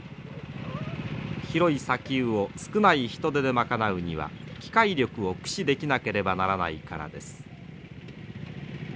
広い砂丘を少ない人手で賄うには機械力を駆使できなければならないからです。